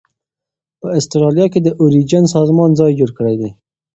په اسټرالیا کې د اوریجن سازمان ځای جوړ کړی دی.